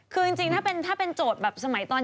คือจริงถ้าเป็นโจทย์แบบสมัยตอน